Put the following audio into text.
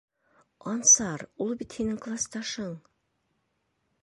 Ансар, ул бит һинең класташың...